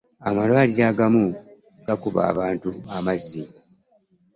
amalwaliro agamu gaakuba abantu amazzi.